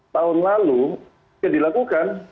tahun lalu bisa dilakukan